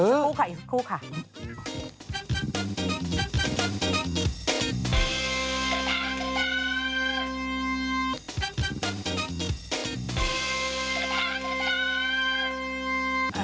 เอออีกสักคู่ค่ะอีกสักคู่ค่ะ